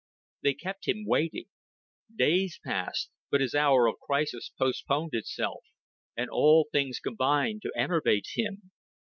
They kept him waiting. Days passed; but his hour of crisis postponed itself, and all things combined to enervate him.